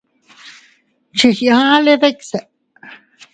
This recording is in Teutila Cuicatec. Chigkiaʼale dikse.